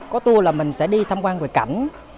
có tour là mình sẽ đi thăm quan về cảnh